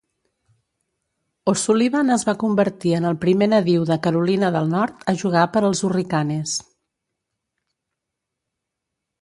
O'Sullivan es va convertir en el primer nadiu de Carolina del Nord a jugar per als Hurricanes.